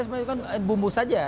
sebenarnya kan bumbu saja ya